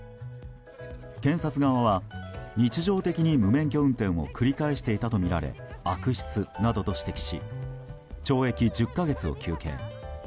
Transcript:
検察側は日常的に無免許運転を繰り返していたとみられ悪質などと指摘し懲役１０か月を求刑。